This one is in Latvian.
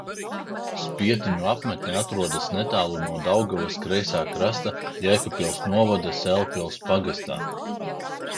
Spietiņu apmetne atrodas netālu no Daugavas kreisā krasta Jēkabpils novada Sēlpils pagastā.